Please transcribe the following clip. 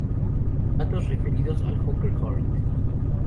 Datos referidos al Hawker Hart.